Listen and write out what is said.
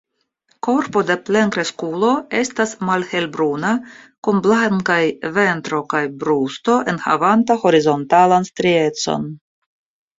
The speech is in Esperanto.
Korpo de plenkreskulo estas malhelbruna kun blankaj ventro kaj brusto enhavanta horizontalan striecon.